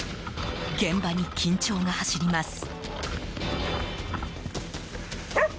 現場に緊張が走ります。